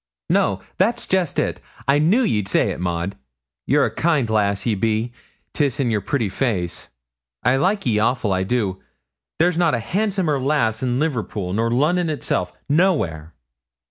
'No, that's jest it. I knew ye'd say it, Maud. Ye're a kind lass ye be 'tis in yer pretty face. I like ye awful, I do there's not a handsomer lass in Liverpool nor Lunnon itself no where.'